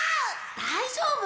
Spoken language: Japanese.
大丈夫